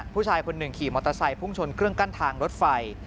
ผู้ชายคนหนึ่งขี่มอเตอร์ไซค์พุ่งชนเครื่องกั้นทางรถไฟ